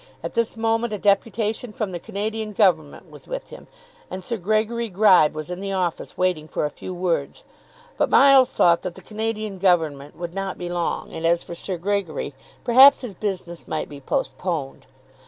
At this moment a deputation from the Canadian Government was with him; and Sir Gregory Gribe was in the office waiting for a few words. But Miles thought that the Canadian Government would not be long, and as for Sir Gregory, perhaps his business might be postponed.